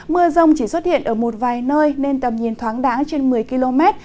mưa rông chỉ xuất hiện ở một vài nơi nên tầm nhìn thoáng đá trên một mươi km